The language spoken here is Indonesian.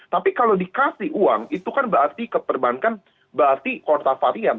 tapi kalau dikasih uang itu kan berarti ke perbankan berarti kota varian